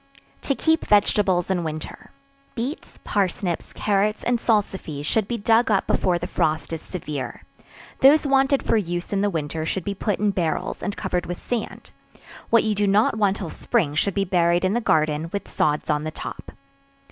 To Keep Vegetables in Winter. Beets, parsnips, carrots and salsify should he dug up before the frost is severe; those wanted for use in the winter should be put in barrels, and covered with sand; what you do not want till spring should be buried in the garden, with sods on the top.